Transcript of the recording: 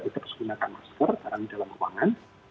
kita harus menggunakan masker karena ini dalam keuangan